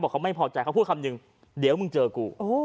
โอ้โหโอ้โหโอ้โหโอ้โหโอ้โห